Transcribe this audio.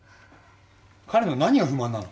彼の何が不満なの？